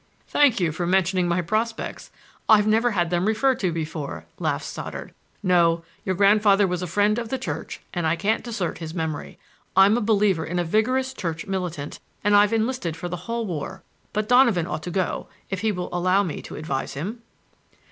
"Thank you for mentioning my prospects! I've never had them referred to before," laughed Stoddard. "No; your grandfather was a friend of the Church and I can't desert his memory. I'm a believer in a vigorous Church militant and I'm enlisted for the whole war. But Donovan ought to go, if he will allow me to advise him."